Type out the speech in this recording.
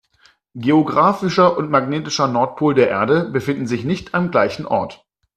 Geographischer und magnetischer Nordpol der Erde befinden sich nicht am gleichen Ort.